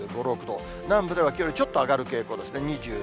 南部ではきょうよりちょっと上がる傾向ですね。